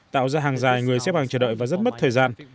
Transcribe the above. tạo ra hàng dài người xếp hàng chờ đợi và rất mất thời gian